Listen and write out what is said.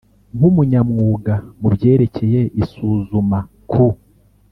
nk umunyamwuga mu byerekeye isuzuma ku